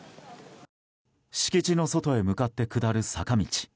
敷地の外へ向かって下る坂道。